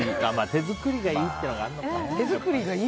手作りがいいっていうのがあるのかな。